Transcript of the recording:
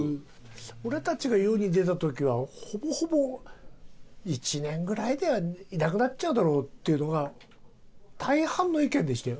俺たちが世に出た時はほぼほぼ１年ぐらいでいなくなっちゃうだろうっていうのが大半の意見でしたよ。